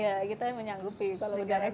ya kita menyanggupi kalau udah ekspor